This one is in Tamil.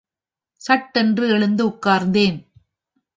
சட்டென்று எழுந்து உட்கார்ந்தேன்.